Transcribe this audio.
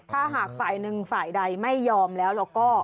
ถ้าหากฝ่ายหนึ่งฝ่ายใดไม่ยอมแล้วเราก็